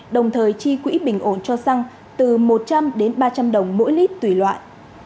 đồng thời chi quỹ bình ổn cho xăng từ một trăm linh ba trăm linh đồng mỗi lít tùy loại